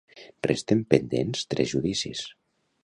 Resten pendents tres judicis.